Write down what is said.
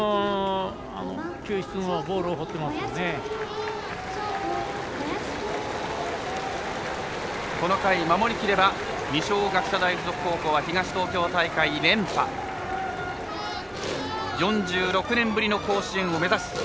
そうした球質のボールをこの回、守りきれば二松学舎大付属高校は東東京大会２連覇４６年ぶりの甲子園を目指す